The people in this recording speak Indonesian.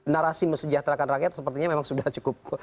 narasi mesejahterakan rakyat sepertinya memang sudah cukup